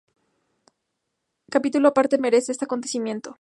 Capítulo aparte merece este acontecimiento.